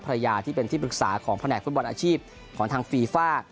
ภรรยาที่เป็นที่ปรึกษาของแผนกฟุตบอลอาชีพของทางฟีฟ่า